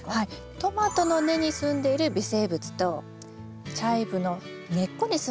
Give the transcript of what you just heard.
トマトの根にすんでいる微生物とチャイブの根っこにすんでる微生物